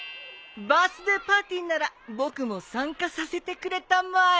バースデーパーティーなら僕も参加させてくれたまえ。